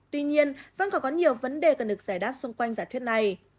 tuy nhiên vẫn còn có nhiều vấn đề cần được giải đáp xung quanh giả thuyết này